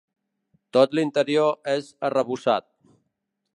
Tot l'interior és arrebossat.